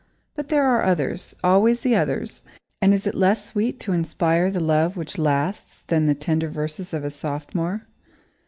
But there are others, always the others and is it less sweet to inspire the love which lasts than the tender verses of a Sophomore?